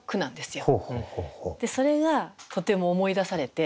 それがとても思い出されて。